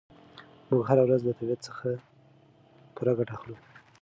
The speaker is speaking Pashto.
موږ هره ورځ له طبیعت څخه پوره ګټه اخلو.